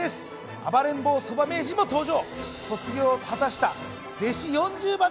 暴れん坊そば名人も登場！